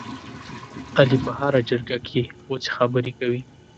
علي په هره جرګه کې غوڅې خبرې کوي.